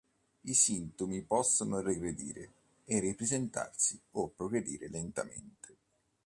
I sintomi possono regredire e ripresentrsi o progredire lentamente.